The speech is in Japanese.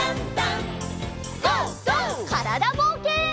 からだぼうけん。